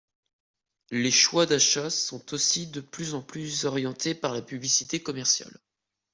Les choix d'achat sont aussi de plus en plus orientés par la publicité commerciale.